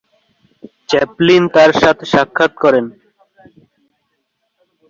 Chaplin তার সাথে সাক্ষাৎ করেন।